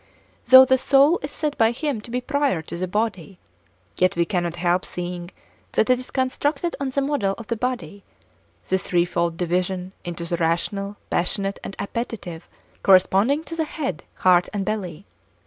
Though the soul is said by him to be prior to the body, yet we cannot help seeing that it is constructed on the model of the body—the threefold division into the rational, passionate, and appetitive corresponding to the head, heart and belly.